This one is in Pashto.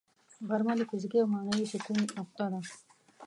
غرمه د فزیکي او معنوي سکون نقطه ده